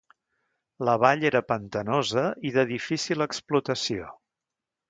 La vall era pantanosa i de difícil explotació.